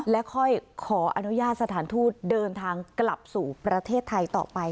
และค่อยขออนุญาตสถานทูตเดินทางกลับสู่ประเทศไทยต่อไป